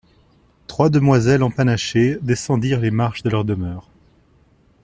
Trois demoiselles empanachées descendirent les marches de leur demeure.